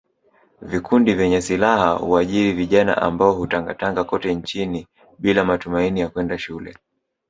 Vikundi vyenye silaha huajiri vijana ambao hutangatanga kote nchini bila matumaini ya kwenda shule